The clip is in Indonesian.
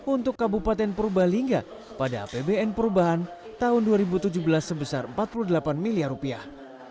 untuk kabupaten purbalingga pada apbn perubahan tahun dua ribu tujuh belas sebesar empat puluh delapan miliar rupiah